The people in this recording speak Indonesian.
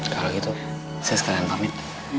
kalau gitu saya sekarang pamit